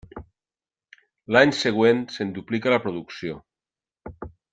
L'any següent se'n duplica la producció.